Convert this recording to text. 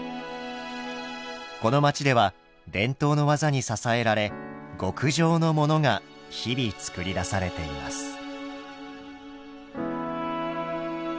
この街では伝統の技に支えられ極上のモノが日々作り出されています。